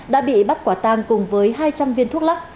đã bị bắt quả tang cùng với hai trăm linh viên thuốc lắc